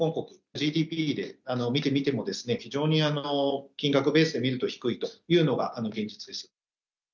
ＧＤＰで見てみても、非常に金額ベースで見ると低いというのが現実です。